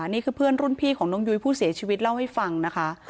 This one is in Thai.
นี่คือเพื่อนรุ่นพี่ของน้องยุ้ยผู้เสียชีวิตเล่าให้ฟังนะคะ